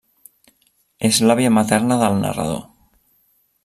És l'àvia materna del Narrador.